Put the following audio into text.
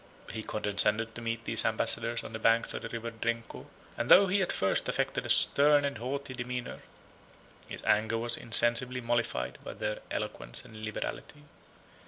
He condescended to meet these ambassadors on the banks of the River Drenco; and though he at first affected a stern and haughty demeanor, his anger was insensibly mollified by their eloquence and liberality.